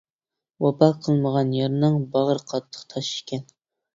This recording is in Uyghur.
ۋاپا قىلمىغان يارنىڭ، باغرى قاتتىق تاش ئىكەن.